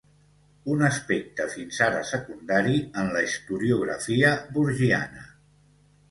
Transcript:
Un aspecte fins ara secundari en la historiografia borgiana.